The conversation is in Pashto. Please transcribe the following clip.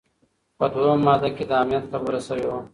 په دوهمه ماده کي د امنیت خبره شوې وه.